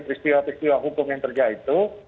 peristiwa peristiwa hukum yang terjadi itu